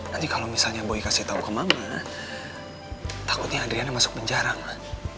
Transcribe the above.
nanti kalau misalnya boy kasih tau ke mama takutnya adriana masuk penjara ma